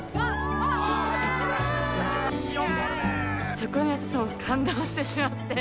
そこに私ほんと感動してしまって。